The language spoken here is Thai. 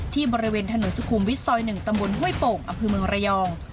บริเวณถนนสุขุมวิทย์ซอย๑ตำบลห้วยโป่งอำเภอเมืองระยอง